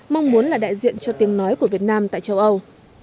mong muốn là đại diện cho tiếng nói của việt nam tại châu âu